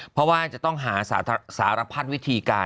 เพราะว่าจะต้องหาสารพัดวิธีการ